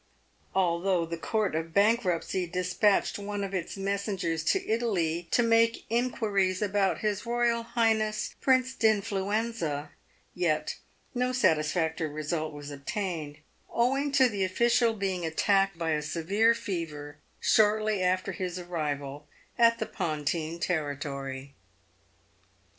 Although the Court of Bankruptcy despatched one of its messengers to Italy to make inquiries about His Eoyal Highness Prince d'Influenza, yet no satifactory result was obtained, owing to the official being attacked by a severe fever shortly after his arrival at the Pontine territory.